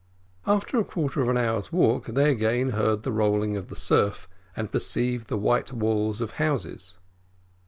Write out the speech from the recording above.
After a quarter of an hour's walk, they again heard the rolling of the surf, and perceived the white walls of houses.